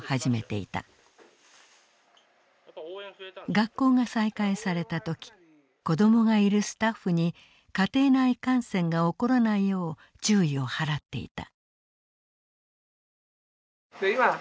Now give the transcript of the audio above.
学校が再開された時子供がいるスタッフに家庭内感染が起こらないよう注意を払っていた。